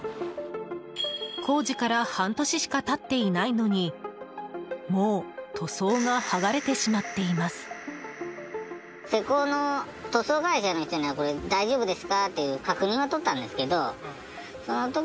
工事から半年しか経っていないのにもう塗装が剥がれてしまっています。